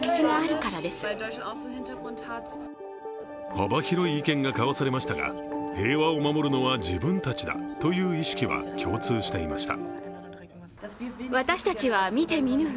幅広い意見が交わされましたが、平和を守るのは自分たちだという意識は共通していました。